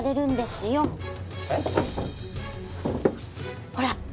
えっ？ほら。